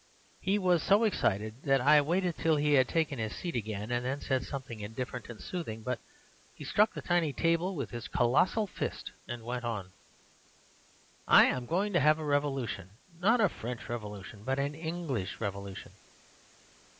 "He was so excited that I waited till he had taken his seat again, and then said something indifferent and soothing; but he struck the tiny table with his colossal fist and went on. "'I am going to have a revolution, not a French Revolution, but an English Revolution.